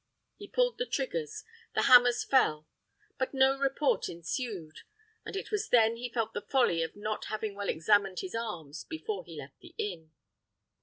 He pulled the triggers, the hammers fell, but no report ensued; and it was then he felt the folly of not having well examined his arms before he left the inn.